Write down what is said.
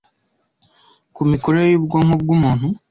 ku mikorere y’ubwonko bw’umuntu